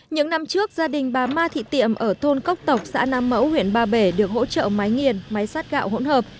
những năm trước gia đình bà ma thị tiệm ở thôn cốc tộc xã nam mẫu huyện ba bể được hỗ trợ máy nghiền máy sát gạo hỗn hợp